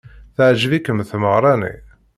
Teɛjeb-ikem tmeɣra-nni?